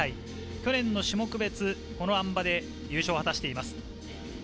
去年の種目別、このあん馬で優勝を果たしています。